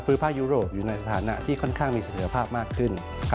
ภูมิภาคยุโรปอยู่ในสถานะที่ค่อนข้างมีสังเกตภาพมากขึ้น